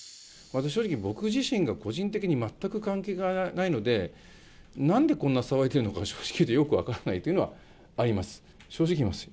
私正直、僕自身が個人的に全く関係がないので、なんでこんな騒いでるのか、正直言ってよく分からないというのがあります。